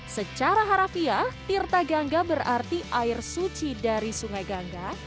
secara harafiah tirta gangga berarti air suci dari sungai gangga